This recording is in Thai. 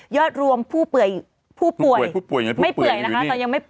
ยอดรวมผู้ป่วย